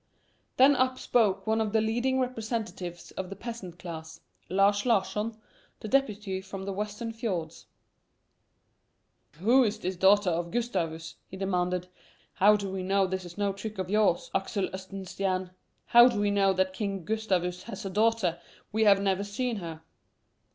Then up spoke one of the leading representatives of the peasant class, Lars Larsson, the deputy from the western fiords. "Who is this daughter of Gustavus?" he demanded. "How do we know this is no trick of yours, Axel Oxenstiern? How do we know that King Gustavus has a daughter? We have never seen her."